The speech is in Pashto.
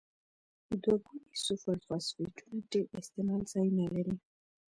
دوه ګونې سوپر فاسفیټونه ډیر استعمال ځایونه لري.